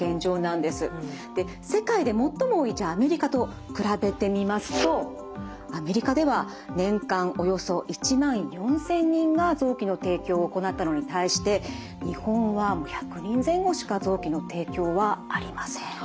世界で最も多いアメリカと比べてみますとアメリカでは年間およそ１万４，０００人が臓器の提供を行ったのに対して日本は１００人前後しか臓器の提供はありません。